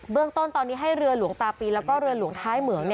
เรื่องต้นตอนนี้ให้เรือหลวงตาปีแล้วก็เรือหลวงท้ายเหมือง